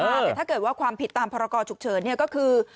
แต่ถ้าเกิดว่าความผิดตามพรกรฉุกเฉินก็คือ